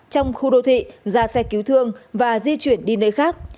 trong khu đô thị ra xe cứu thương và di chuyển đi nơi khác